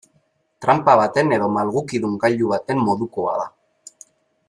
Tranpa baten edo malgukidun gailu baten modukoa da.